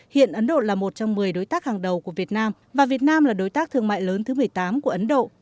hiện ấn độ là một trong một mươi đối tác hàng đầu của việt nam và việt nam là đối tác thương mại lớn thứ một mươi tám của ấn độ